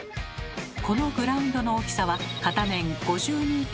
このグラウンドの大きさは片面５２．５ｍ。